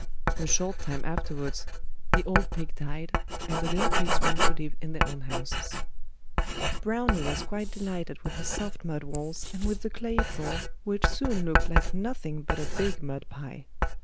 A short time afterwards the old pig died, and the little pigs went to live in their own houses. Browny was quite delighted with his soft mud walls and with the clay floor, which soon looked like nothing but a big mud pie.